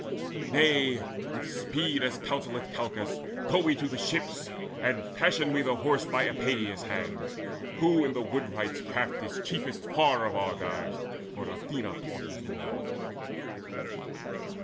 Nay, with speed, As counselleth Calchas, go we to the ships, And fashion we the Horse by Epeius' hands, Who in the woodwright's craft is chiefest far Of Argives, for Athena taught his lore."